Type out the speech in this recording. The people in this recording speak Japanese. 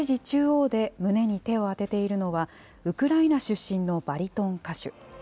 中央で胸に手を当てているのは、ウクライナ出身のバリトン歌手。